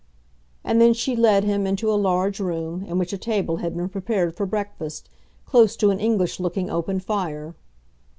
And then she led him into a large room, in which a table had been prepared for breakfast, close to an English looking open fire.